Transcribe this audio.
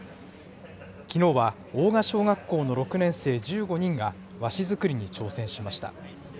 きのうは大賀小学校の６年生１５人が、和紙作りに挑戦しました。